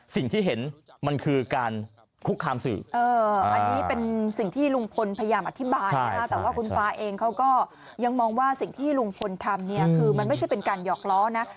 สิ่งที่ลุงพลทำเนี่ยคือมันไม่ใช่เป็นการหยอกล้อนะ